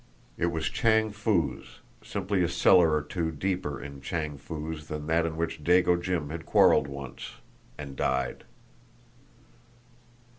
It was Chang Foo's, simply a cellar or two deeper in Chang Foo's than that in which Dago Jim had quarrelled once and died!